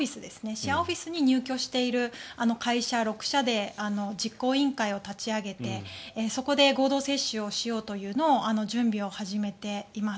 シェアオフィスに入居している会社６社で実行委員会を立ち上げてそこで合同接種をしようという準備を始めています。